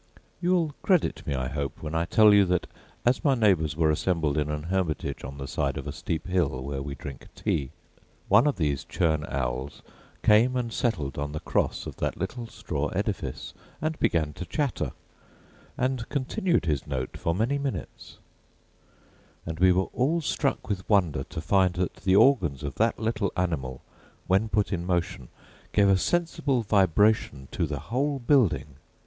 You will credit me, I hope, when I tell you that, as my neighbours were assembled in an hermitage on the side of a steep hill where we drink tea, one of these churn owls came and settled on the cross of that little straw edifice and began to chatter, and continued his note for many minutes: and we were all struck with wonder to find that the organs of that little animal, when put in motion, gave a sensible vibration to the whole building!